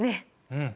うん。